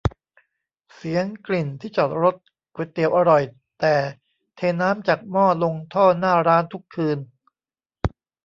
เสียง กลิ่น ที่จอดรถ ก๋วยเตี๋ยวอร่อยแต่เทน้ำจากหม้อลงท่อหน้าร้านทุกคืน